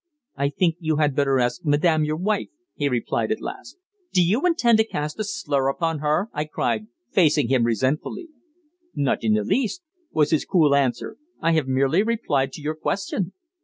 "I think you had better ask madame, your wife," he replied at last. "Do you intend to cast a slur upon her?" I cried, facing him resentfully. "Not in the least," was his cool answer. "I have merely replied to your question."